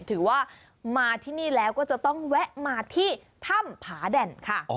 ถือว่ามาที่นี่แล้วก็จะต้องแวะมาที่ถ้ำผาแด่นค่ะ